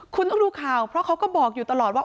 คุณต้องดูข่าวเพราะเขาก็บอกอยู่ตลอดว่า